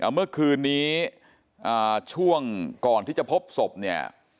เมื่อคืนนี้ช่วงก่อนที่จะพบศพเนี่ย